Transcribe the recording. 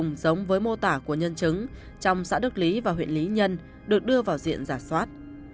rừng giống với mô tả của nhân chứng trong xã đức lý và huyện lý nhân được đưa vào diện giả soát